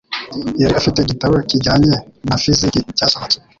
Yari afite igitabo kijyanye na fiziki cyasohotse.